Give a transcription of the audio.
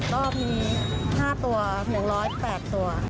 รอบนี้๕ตัว๑๐๘ตัว